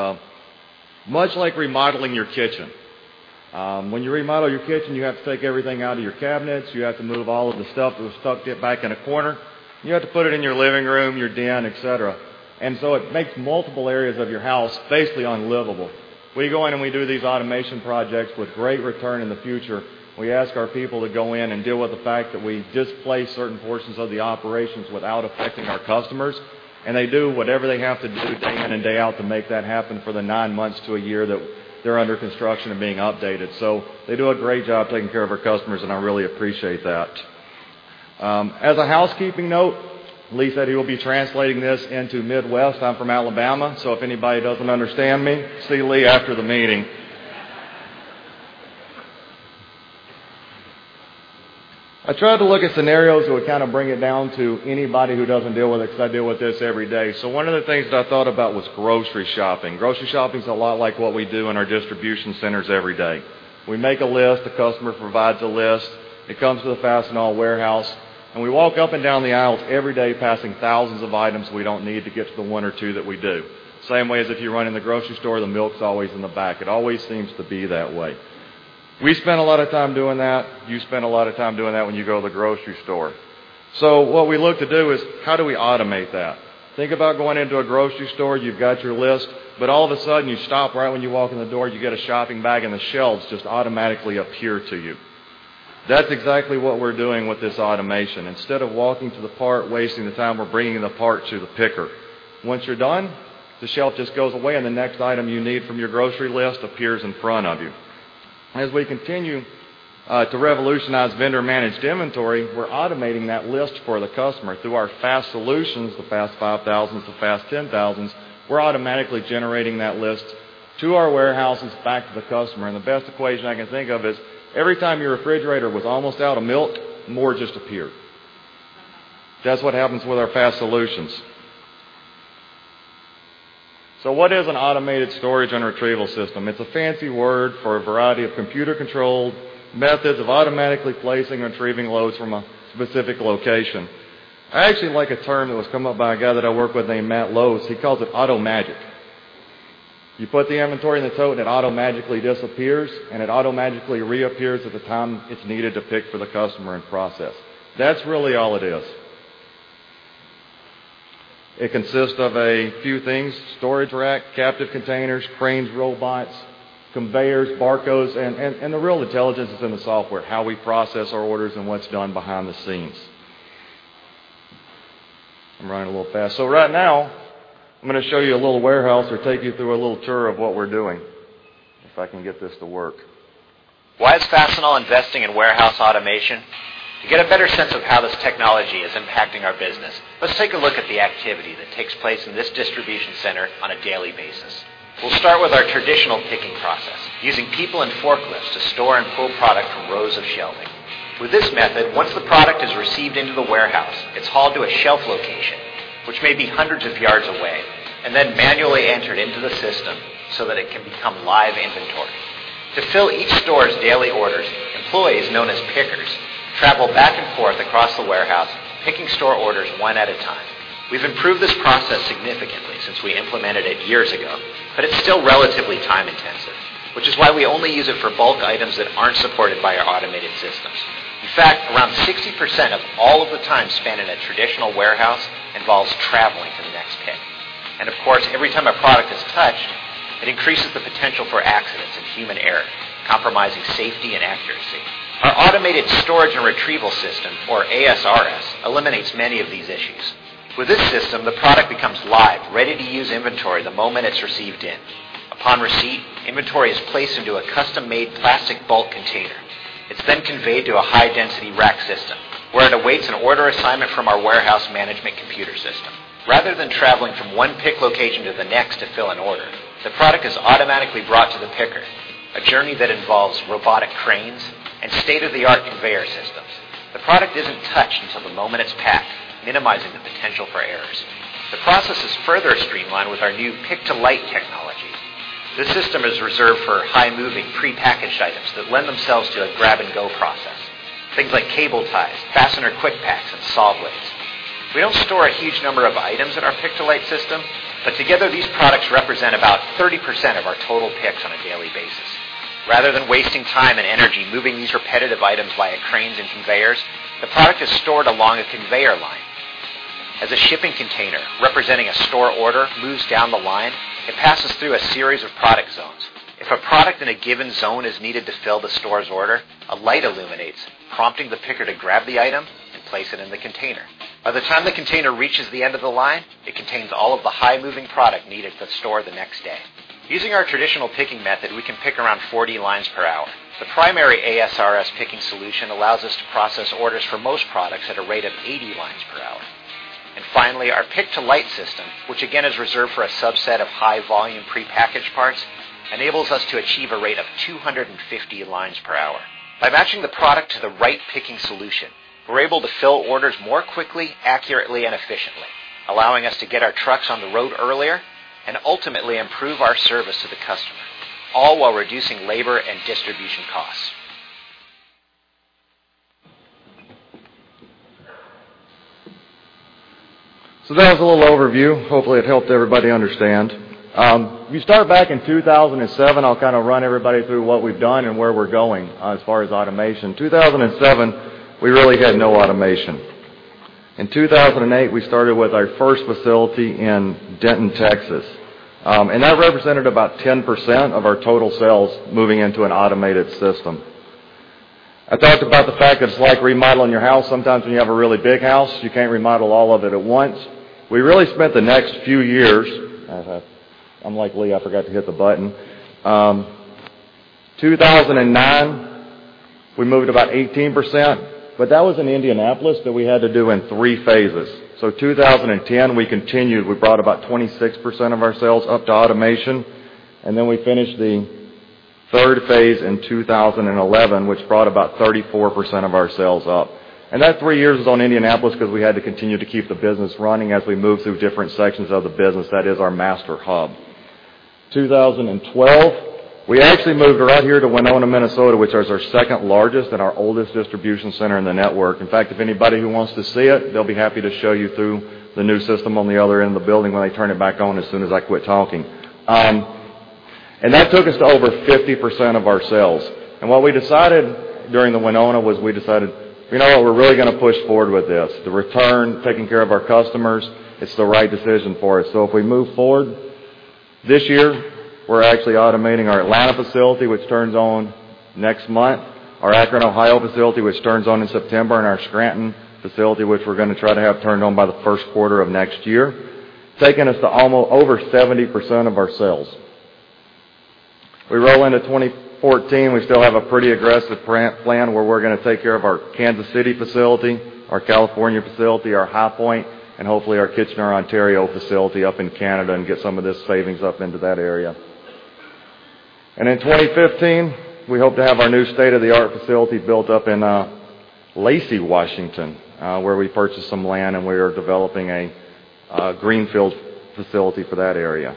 much like remodeling your kitchen. When you remodel your kitchen, you have to take everything out of your cabinets, you have to move all of the stuff that was stuffed back in a corner, you have to put it in your living room, your den, et cetera. It makes multiple areas of your house basically unlivable. We go in and we do these automation projects with great return in the future. We ask our people to go in and deal with the fact that we displace certain portions of the operations without affecting our customers, and they do whatever they have to do day in and day out to make that happen for the nine months to a year that they're under construction and being updated. They do a great job taking care of our customers, and I really appreciate that. As a housekeeping note, Lee said he will be translating this into Midwest. I'm from Alabama, so if anybody doesn't understand me, see Lee after the meeting. I tried to look at scenarios that would kind of bring it down to anybody who doesn't deal with it, because I deal with this every day. One of the things that I thought about was grocery shopping. Grocery shopping is a lot like what we do in our distribution centers every day. We make a list, the customer provides a list. It comes to the Fastenal warehouse, and we walk up and down the aisles every day passing thousands of items we don't need to get to the one or two that we do. Same way as if you run in the grocery store, the milk's always in the back. It always seems to be that way. We spend a lot of time doing that, you spend a lot of time doing that when you go to the grocery store. What we look to do is how do we automate that? Think about going into a grocery store. You've got your list, all of a sudden, you stop right when you walk in the door, you get a shopping bag, and the shelves just automatically appear to you. That's exactly what we're doing with this automation. Instead of walking to the part, wasting the time, we're bringing the part to the picker. Once you're done, the shelf just goes away and the next item you need from your grocery list appears in front of you. As we continue to revolutionize vendor-managed inventory, we're automating that list for the customer through our FAST Solutions, the FAST 5000, the FAST 10000. We're automatically generating that list to our warehouses back to the customer. The best equation I can think of is every time your refrigerator was almost out of milk, more just appeared. That's what happens with our FAST Solutions. What is an automated storage and retrieval system? It's a fancy word for a variety of computer-controlled methods of automatically placing and retrieving loads from a specific location. I actually like a term that was come up by a guy that I work with named Matt Lowe. He calls it auto magic. You put the inventory in the tote and it auto magically disappears, and it auto magically reappears at the time it's needed to pick for the customer and process. That's really all it is. It consists of a few things, storage rack, captive containers, cranes, robots, conveyors, barcodes, and the real intelligence is in the software, how we process our orders and what's done behind the scenes. I'm running a little fast. Right now, I'm going to show you a little warehouse or take you through a little tour of what we're doing, if I can get this to work. Why is Fastenal investing in warehouse automation? To get a better sense of how this technology is impacting our business, let's take a look at the activity that takes place in this distribution center on a daily basis. We'll start with our traditional picking process, using people and forklifts to store and pull product from rows of shelving. With this method, once the product is received into the warehouse, it's hauled to a shelf location, which may be hundreds of yards away, and then manually entered into the system so that it can become live inventory. To fill each store's daily orders, employees known as pickers travel back and forth across the warehouse, picking store orders one at a time. We've improved this process significantly since we implemented it years ago, but it's still relatively time-intensive, which is why we only use it for bulk items that aren't supported by our automated systems. In fact, around 60% of all of the time spent in a traditional warehouse involves traveling to the next pick. Of course, every time a product is touched, it increases the potential for accidents and human error, compromising safety and accuracy. Our automated storage and retrieval system, or ASRS, eliminates many of these issues. With this system, the product becomes live, ready-to-use inventory the moment it's received in. Upon receipt, inventory is placed into a custom-made plastic bulk container. It's then conveyed to a high-density rack system where it awaits an order assignment from our warehouse management computer system. Rather than traveling from one pick location to the next to fill an order, the product is automatically brought to the picker, a journey that involves robotic cranes and state-of-the-art conveyor systems. The product isn't touched until the moment it's packed, minimizing the potential for errors. The process is further streamlined with our new pick-to-light technology. This system is reserved for high moving prepackaged items that lend themselves to a grab-and-go process. Things like cable ties, fastener quick packs, and saw blades. We don't store a huge number of items in our pick-to-light system, but together these products represent about 30% of our total picks on a daily basis. Rather than wasting time and energy moving these repetitive items via cranes and conveyors, the product is stored along a conveyor line. As a shipping container representing a store order moves down the line, it passes through a series of product zones. If a product in a given zone is needed to fill the store's order, a light illuminates, prompting the picker to grab the item and place it in the container. By the time the container reaches the end of the line, it contains all of the high moving product needed for the store the next day. Using our traditional picking method, we can pick around 40 lines per hour. The primary ASRS picking solution allows us to process orders for most products at a rate of 80 lines per hour. Finally, our pick-to-light system, which again is reserved for a subset of high volume prepackaged parts, enables us to achieve a rate of 250 lines per hour. By matching the product to the right picking solution, we're able to fill orders more quickly, accurately, and efficiently, allowing us to get our trucks on the road earlier and ultimately improve our service to the customer, all while reducing labor and distribution costs. That was a little overview. Hopefully it helped everybody understand. You start back in 2007, I'll kind of run everybody through what we've done and where we're going as far as automation. 2007, we really had no automation. In 2008, we started with our first facility in Denton, Texas, and that represented about 10% of our total sales moving into an automated system. I talked about the fact it's like remodeling your house. Sometimes when you have a really big house, you can't remodel all of it at once. We really spent the next few years Unlikely I forgot to hit the button. 2009, we moved about 18%, but that was in Indianapolis that we had to do in three phases. 2010, we continued. We brought about 26% of our sales up to automation, then we finished the third phase in 2011, which brought about 34% of our sales up. That three years was on Indianapolis because we had to continue to keep the business running as we moved through different sections of the business. That is our master hub. 2012, we actually moved right here to Winona, Minnesota, which is our second largest and our oldest distribution center in the network. In fact, if anybody who wants to see it, they'll be happy to show you through the new system on the other end of the building when they turn it back on as soon as I quit talking. That took us to over 50% of our sales. What we decided during the Winona was we decided, you know what? We're really going to push forward with this. The return, taking care of our customers, it's the right decision for us. If we move forward this year, we're actually automating our Atlanta facility, which turns on next month, our Akron, Ohio, facility, which turns on in September, and our Scranton facility, which we're going to try to have turned on by the first quarter of next year, taking us to over 70% of our sales. We roll into 2014, we still have a pretty aggressive plan where we're going to take care of our Kansas City facility, our California facility, our High Point, and hopefully our Kitchener, Ontario, facility up in Canada and get some of this savings up into that area. In 2015, we hope to have our new state-of-the-art facility built up in Lacey, Washington, where we purchased some land and we are developing a greenfield facility for that area.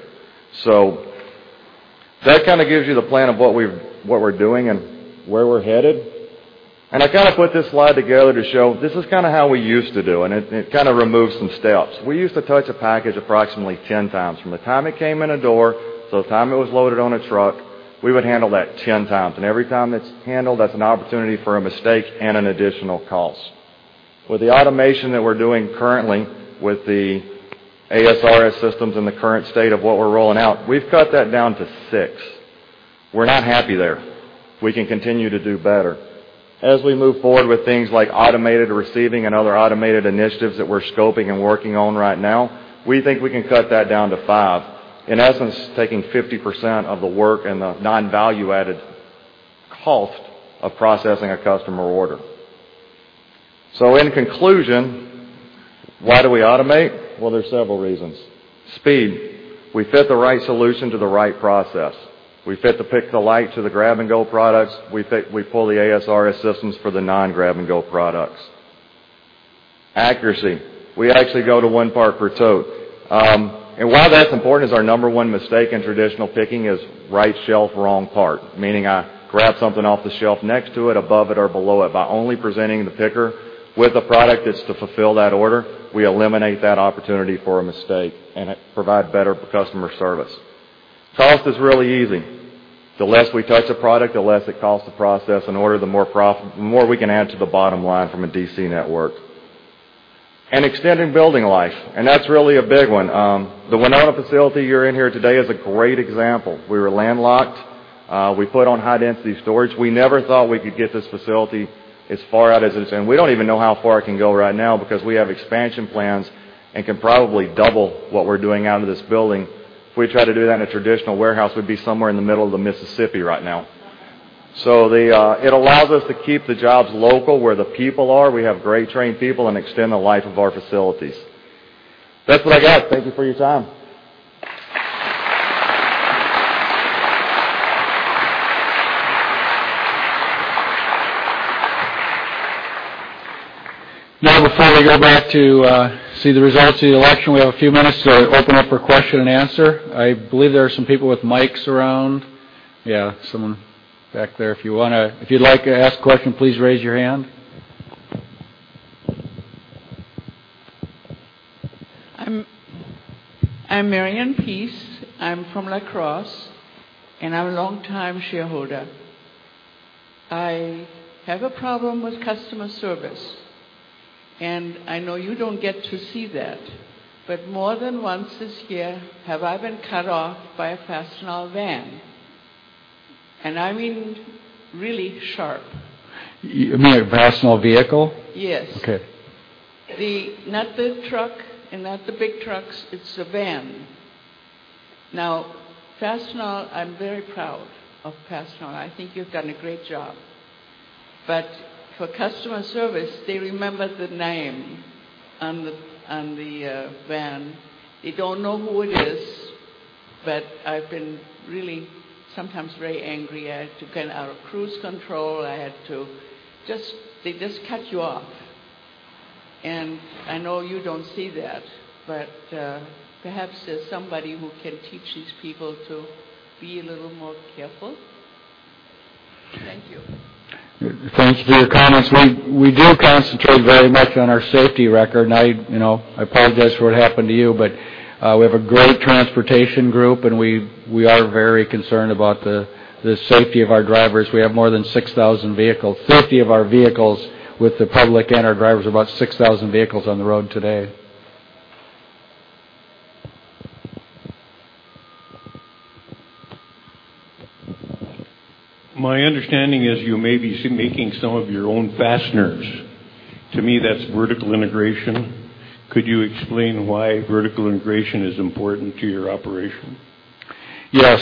That kind of gives you the plan of what we're doing and where we're headed. I kind of put this slide together to show this is kind of how we used to do, and it kind of removes some steps. We used to touch a package approximately 10 times. From the time it came in a door till the time it was loaded on a truck, we would handle that 10 times. Every time it's handled, that's an opportunity for a mistake and an additional cost. With the automation that we're doing currently with the ASRS systems and the current state of what we're rolling out, we've cut that down to six. We're not happy there. We can continue to do better. As we move forward with things like automated receiving and other automated initiatives that we're scoping and working on right now, we think we can cut that down to five. In essence, taking 50% of the work and the non-value-added cost of processing a customer order. In conclusion, why do we automate? Well, there's several reasons. Speed. We fit the right solution to the right process. We fit the pick-to-light to the grab-and-go products. We pull the ASRS systems for the non-grab-and-go products. Accuracy. We actually go to one part per tote. Why that's important is our number one mistake in traditional picking is right shelf, wrong part, meaning I grab something off the shelf next to it, above it, or below it. By only presenting the picker with the product that's to fulfill that order, we eliminate that opportunity for a mistake and provide better customer service. Cost is really easy. The less we touch a product, the less it costs to process an order, the more we can add to the bottom line from a DC network. Extended building life, and that's really a big one. The Winona facility you're in here today is a great example. We were landlocked. We put on high-density storage. We never thought we could get this facility as far out as it is. We don't even know how far it can go right now because we have expansion plans and can probably double what we're doing out of this building. If we try to do that in a traditional warehouse, we'd be somewhere in the middle of the Mississippi right now. It allows us to keep the jobs local, where the people are. We have great trained people and extend the life of our facilities. That's what I got. Thank you for your time. Before we go back to see the results of the election, we have a few minutes to open up for question and answer. I believe there are some people with mics around. Yeah, someone back there. If you'd like to ask a question, please raise your hand. I'm Marian Peace. I'm from La Crosse. I'm a longtime shareholder. I have a problem with customer service. I know you don't get to see that. More than once this year have I been cut off by a Fastenal van, and I mean really sharp. You mean a Fastenal vehicle? Yes. Okay. Not the truck and not the big trucks. It's the van. Fastenal, I'm very proud of Fastenal. I think you've done a great job. For customer service, they remember the name on the van. They don't know who it is, but I've been really sometimes very angry. I had to get out of cruise control. They just cut you off. I know you don't see that, but perhaps there's somebody who can teach these people to be a little more careful. Thank you. Thanks for your comments. We do concentrate very much on our safety record, and I apologize for what happened to you. We have a great transportation group, and we are very concerned about the safety of our drivers. We have more than 6,000 vehicles, safety of our vehicles with the public, and [inaudible] about 6,000 vehicles on the road today. My understanding is you may be making some of your own fasteners. To me, that's vertical integration. Could you explain why vertical integration is important to your operation? Yes.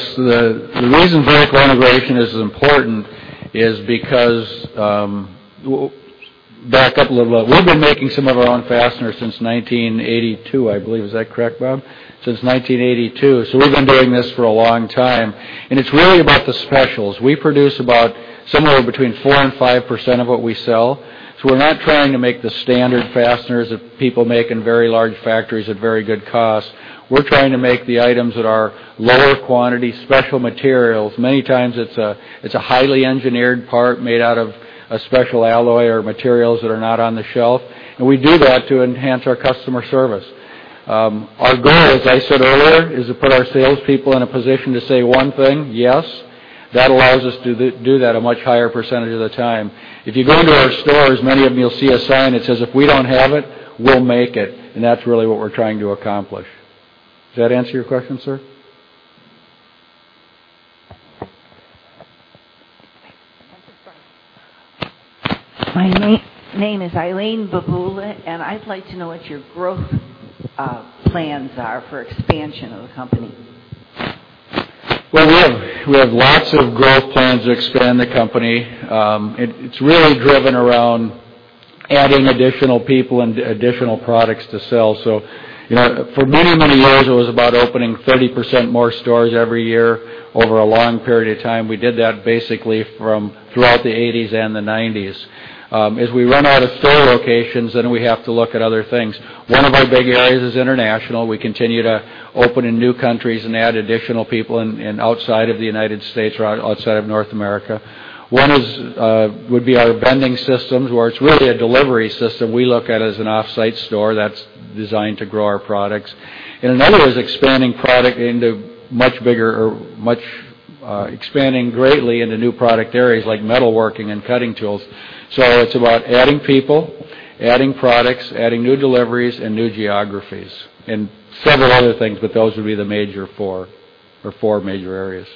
Back up a little bit. We've been making some of our own fasteners since 1982, I believe. Is that correct, Bob? Since 1982. We've been doing this for a long time, and it's really about the specials. We produce about somewhere between 4% and 5% of what we sell. We're not trying to make the standard fasteners that people make in very large factories at very good cost. We're trying to make the items that are lower quantity, special materials. Many times it's a highly engineered part made out of a special alloy or materials that are not on the shelf, and we do that to enhance our customer service. Our goal, as I said earlier, is to put our salespeople in a position to say one thing, yes. That allows us to do that a much higher percentage of the time. If you go into our stores, many of them, you'll see a sign that says, "If we don't have it, we'll make it." That's really what we're trying to accomplish. Does that answer your question, sir? My name is Eileen Bahula, I'd like to know what your growth plans are for expansion of the company. Well, we have lots of growth plans to expand the company. It's really driven around adding additional people and additional products to sell. For many, many years, it was about opening 30% more stores every year over a long period of time. We did that basically throughout the '80s and the '90s. As we run out of store locations, we have to look at other things. One of our big areas is international. We continue to open in new countries and add additional people outside of the U.S. or outside of North America. One would be our vending systems, where it's really a delivery system. We look at it as an off-site store that's designed to grow our products. Another is expanding product into much bigger or expanding greatly into new product areas like metalworking and cutting tools. It's about adding people, adding products, adding new deliveries, and new geographies, and several other things, but those would be the four major areas.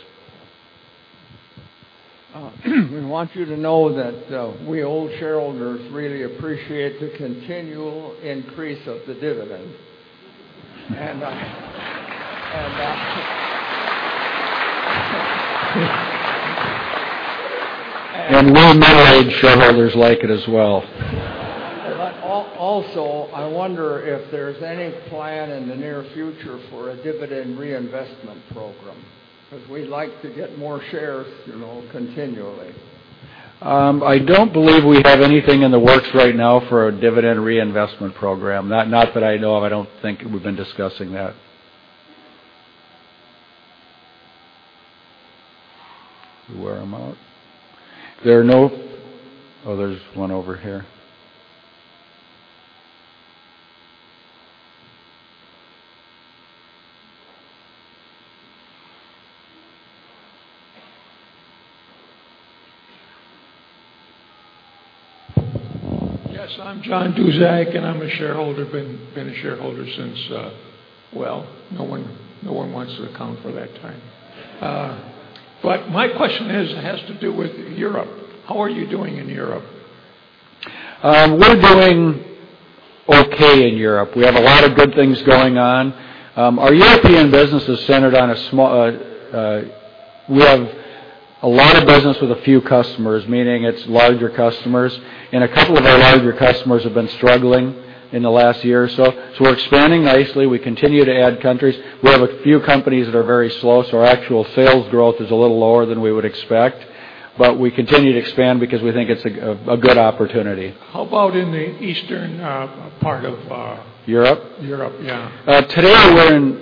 We want you to know that we old shareholders really appreciate the continual increase of the dividend. We middle-aged shareholders like it as well. Also, I wonder if there's any plan in the near future for a dividend reinvestment program because we'd like to get more shares continually. I don't believe we have anything in the works right now for a dividend reinvestment program. Not that I know of. I don't think we've been discussing that. Did we wear them out? Oh, there's one over here. Yes, I'm John Duzak, and I'm a shareholder. Been a shareholder since Well, no one wants to account for that time. My question has to do with Europe. How are you doing in Europe? We're doing okay in Europe. We have a lot of good things going on. Our European business is centered on We have a lot of business with a few customers, meaning it's larger customers, and a couple of our larger customers have been struggling in the last year or so. We're expanding nicely. We continue to add countries. We have a few companies that are very slow, so our actual sales growth is a little lower than we would expect. We continue to expand because we think it's a good opportunity. How about in the eastern part of- Europe? Europe, yeah. Today,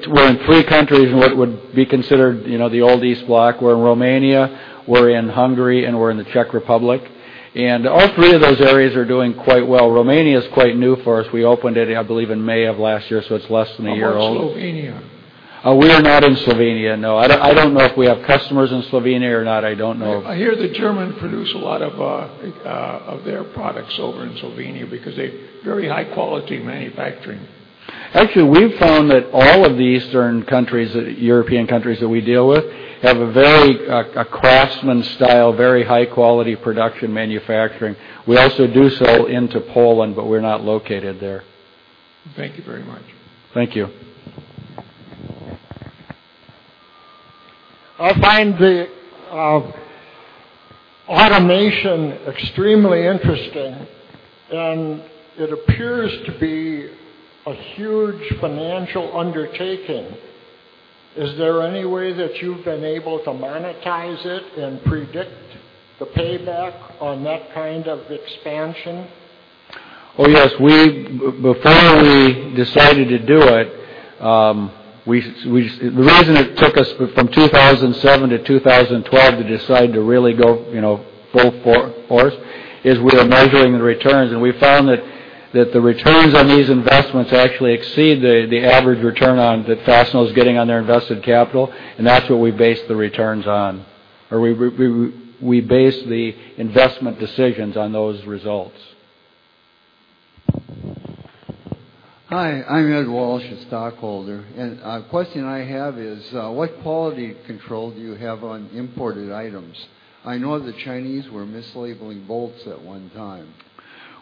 we're in three countries in what would be considered the old Eastern Bloc. We're in Romania, we're in Hungary, and we're in the Czech Republic. All three of those areas are doing quite well. Romania is quite new for us. We opened it, I believe, in May of last year, so it's less than a year old. How about Slovenia? We're not in Slovenia, no. I don't know if we have customers in Slovenia or not. I don't know. I hear the German produce a lot of their products over in Slovenia because they're very high-quality manufacturing. Actually, we've found that all of the eastern European countries that we deal with have a craftsman style, very high-quality production manufacturing. We also do sell into Poland, but we're not located there. Thank you very much. Thank you. I find the automation extremely interesting, and it appears to be a huge financial undertaking. Is there any way that you've been able to monetize it and predict the payback on that kind of expansion? Oh, yes. Before we decided to do it, the reason it took us from 2007 to 2012 to decide to really go full force, is we were measuring the returns. We found that the returns on these investments actually exceed the average return that Fastenal is getting on their invested capital. That's what we base the returns on, or we base the investment decisions on those results. Hi, I'm Ed Walsh, a stockholder. A question I have is, what quality control do you have on imported items? I know the Chinese were mislabeling bolts at one time.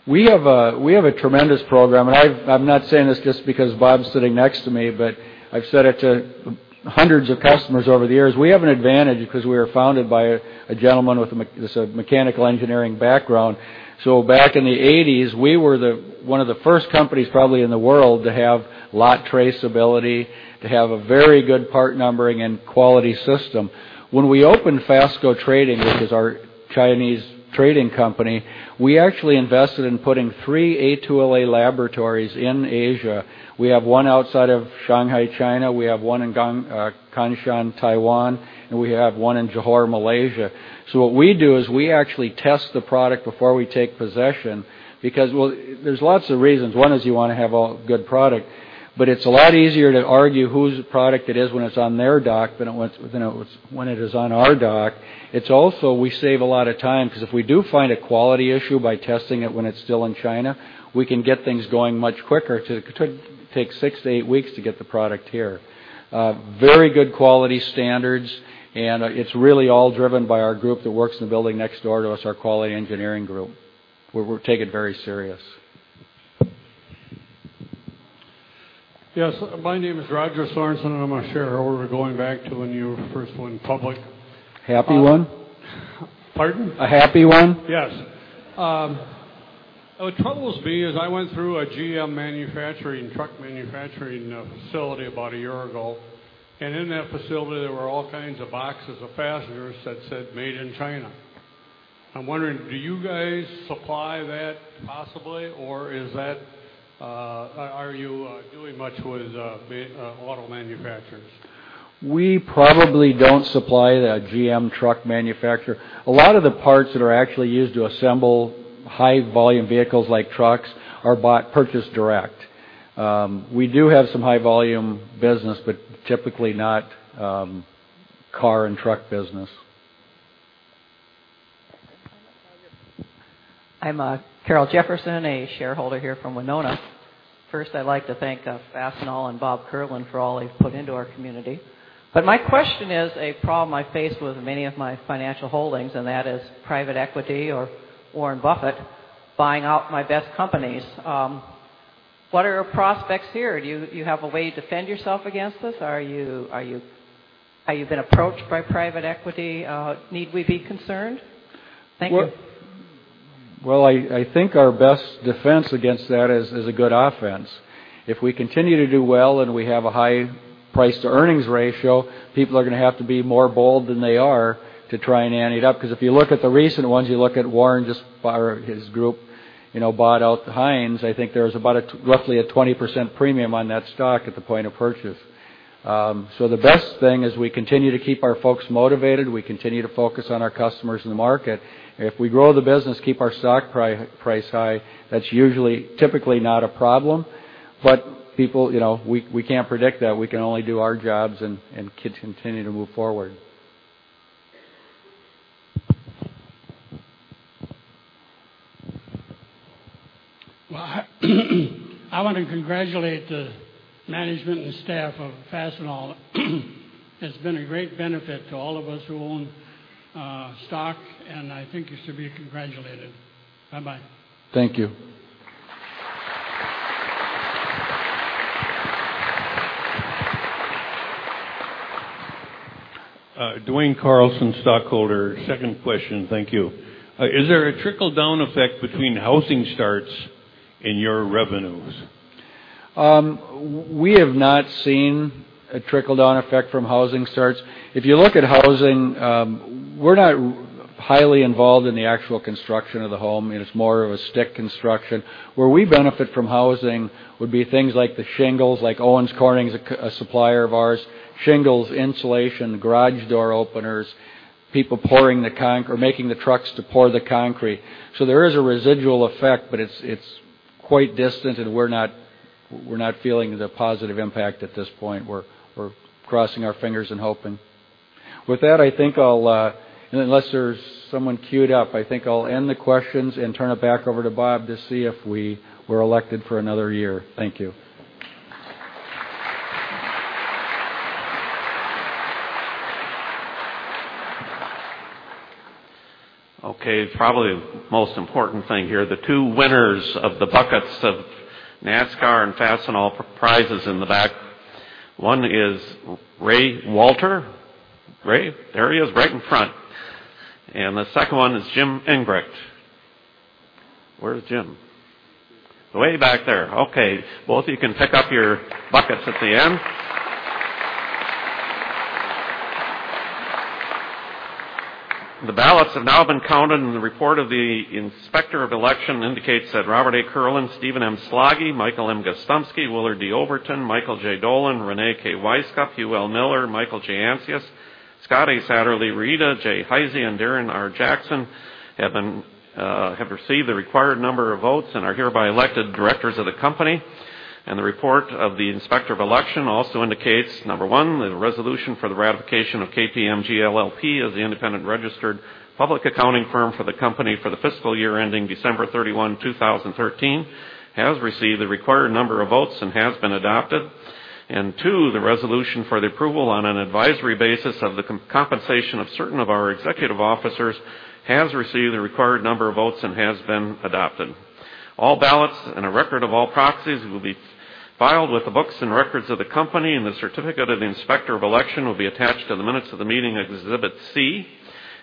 We have a tremendous program, and I'm not saying this just because Bob's sitting next to me, but I've said it to hundreds of customers over the years. We have an advantage because we were founded by a gentleman with a mechanical engineering background. Back in the '80s, we were one of the first companies, probably in the world, to have lot traceability, to have a very good part numbering and quality system. When we opened Fastco Trading, which is our Chinese trading company, we actually invested in putting three A2LA laboratories in Asia. We have one outside of Shanghai, China. We have one in Kaohsiung, Taiwan, and we have one in Johor, Malaysia. What we do is we actually test the product before we take possession because, well, there's lots of reasons. One is you want to have a good product. It's a lot easier to argue whose product it is when it's on their dock than when it is on our dock. It's also we save a lot of time because if we do find a quality issue by testing it when it's still in China, we can get things going much quicker. It could take six to eight weeks to get the product here. Very good quality standards, and it's really all driven by our group that works in the building next door to us, our quality engineering group, where we take it very serious. Yes, my name is Roger Sorensen, and I'm a shareholder going back to when you were first went public. Happy one? Pardon? A happy one? Yes. What troubles me is I went through a GM truck manufacturing facility about a year ago, and in that facility, there were all kinds of boxes of fasteners that said Made in China. I'm wondering, do you guys supply that possibly, or are you doing much with auto manufacturers? We probably don't supply the GM truck manufacturer. A lot of the parts that are actually used to assemble high-volume vehicles like trucks are purchased direct. We do have some high-volume business, but typically not car and truck business. I'm Carol Jefferson, a shareholder here from Winona. First, I'd like to thank Fastenal and Bob Kierlin for all he's put into our community. My question is a problem I face with many of my financial holdings, and that is private equity or Warren Buffett buying out my best companies. What are our prospects here? Do you have a way to defend yourself against this? Have you been approached by private equity? Need we be concerned? Thank you. Well, I think our best defense against that is a good offense. If we continue to do well and we have a high price-to-earnings ratio, people are going to have to be more bold than they are to try and ante it up. If you look at the recent ones, you look at Warren, his group bought out Heinz. I think there was about roughly a 20% premium on that stock at the point of purchase. The best thing is we continue to keep our folks motivated. We continue to focus on our customers in the market. If we grow the business, keep our stock price high, that's usually typically not a problem. We can't predict that. We can only do our jobs and continue to move forward. Well, I want to congratulate the management and staff of Fastenal. It's been a great benefit to all of us who own stock, and I think you should be congratulated. Bye bye. Thank you. Dwayne Carlson, stockholder. Second question. Thank you. Is there a trickle-down effect between housing starts and your revenues? We have not seen a trickle-down effect from housing starts. If you look at housing, we're not highly involved in the actual construction of the home, and it's more of a stick construction. Where we benefit from housing would be things like the shingles. Like Owens Corning is a supplier of ours. Shingles, insulation, garage door openers, people making the trucks to pour the concrete. There is a residual effect, but it's quite distant, and we're not feeling the positive impact at this point. We're crossing our fingers and hoping. With that, I think I'll end the questions and turn it back over to Bob to see if we were elected for another year. Thank you. Probably the most important thing here, the two winners of the buckets of NASCAR and Fastenal prizes in the back. One is Ray Walter. Ray? There he is, right in front. The second one is Jim Ingbrecht. Where's Jim? Way back there. Both of you can pick up your buckets at the end. The ballots have now been counted, and the report of the inspector of election indicates that Robert A. Kierlin, Stephen M. Slaggie, Michael M. Gostomski, Willard D. Oberton, Michael J. Dolan, Reyne K. Wisecup, Hugh L. Miller, Michael J. Ancius, Scott A. Satterlee, Rita J. Heise, and Darren R. Jackson have received the required number of votes and are hereby elected directors of the company. The report of the inspector of election also indicates, number 1, that a resolution for the ratification of KPMG LLP as the independent registered public accounting firm for the company for the fiscal year ending December 31, 2013, has received the required number of votes and has been adopted. Two, the resolution for the approval on an advisory basis of the compensation of certain of our executive officers has received the required number of votes and has been adopted. All ballots and a record of all proxies will be filed with the books and records of the company, and the certificate of the inspector of election will be attached to the minutes of the meeting as Exhibit C.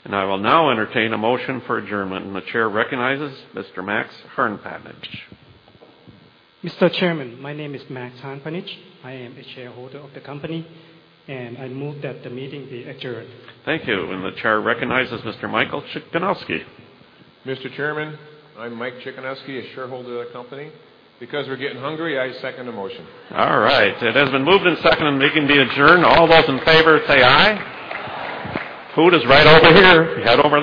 I will now entertain a motion for adjournment. The chair recognizes Mr. Max Harnpanich. Mr. Chairman, my name is Max Harnpanich. I am a shareholder of the company, and I move that the meeting be adjourned. Thank you. The chair recognizes Mr. Michael Chikanowsky. Mr. Chairman, I'm Mike Chikanowsky, a shareholder of the company. Because we're getting hungry, I second the motion. All right. It has been moved and seconded the meeting be adjourned. All those in favor say aye. Aye. Food is right over here. Head over there.